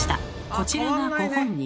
こちらがご本人。